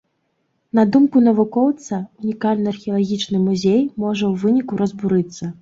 На думку навукоўца, унікальны археалагічны музей можа ў выніку разбурыцца.